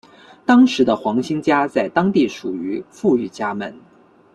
当时的黄兴家在当地属于富裕家门。